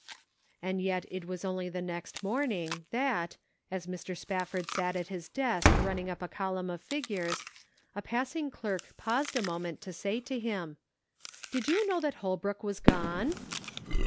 And yet it was only the next morning that, as Mr. Spafford sat at his desk running up a column of figures, a passing clerk paused a moment to say to him : 462 The Pocket Measure. " Did you know that Holbrook was gone